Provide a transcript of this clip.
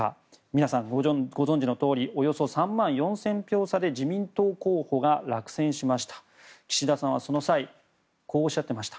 皆さんご存じのようにおよそ３万５０００票差で自民党候補が落選しました。